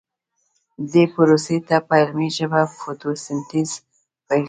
دې پروسې ته په علمي ژبه فتوسنتیز ویل کیږي